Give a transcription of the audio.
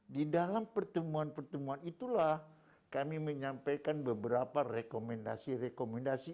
di dalam pertemuan pertemuan itulah kami menyampaikan beberapa rekomendasi rekomendasi